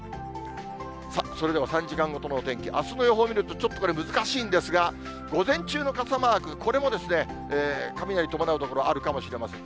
さあ、それでは３時間ごとのお天気、あすの予報を見ると、ちょっとこれ、難しいんですが、午前中の傘マーク、これも雷伴う所もあるかもしれません。